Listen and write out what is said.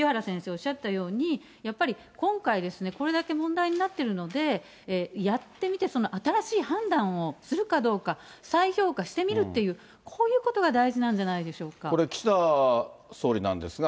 おっしゃったように、やっぱり今回、これだけ問題になっているので、やってみて、新しい判断をするかどうか、再評価してみるっていう、こういうここれ、岸田総理なんですが。